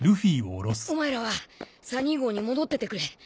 お前らはサニー号に戻っててくれ。